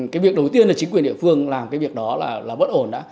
cái việc đầu tiên là chính quyền địa phương làm cái việc đó là bất ổn đã